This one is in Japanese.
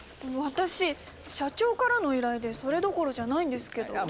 私社長からの依頼でそれどころじゃないんですけど。